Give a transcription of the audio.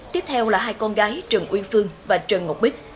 tiếp theo là hai con gái trần uyên phương và trần ngọc bích